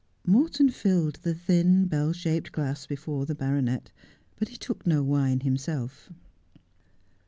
Morton filled the thin, bell shaped glass before the baronet, but he took no wine himself.